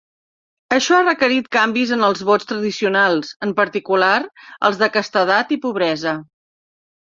Això ha requerit canvis en els vots tradicionals, en particular els de castedat i pobresa.